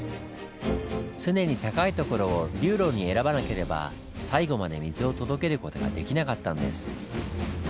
常に高い所を流路に選ばなければ最後まで水を届ける事ができなかったんです。